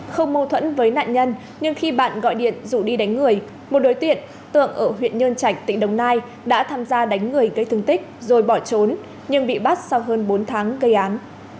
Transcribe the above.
không mâu thuẫn với nạn nhân nhưng khi bạn gọi điện rủ đi đánh người một đối tượng tượng ở huyện nhơn trạch tỉnh đồng nai đã tham gia đánh người gây thương tích rồi bỏ trốn nhưng bị bắt sau hơn bốn tháng gây án